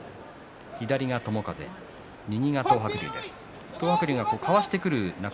左が友風、右が東白龍。